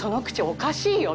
おかしいよ。